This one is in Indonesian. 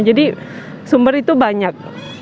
jadi sumber itu banyak